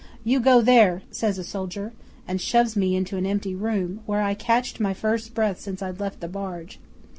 '"You go there," says a soldier, and shoves me into an empty room, where I catched my first breath since I'd left the barge.